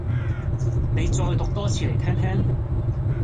你再讀多次嚟聽聽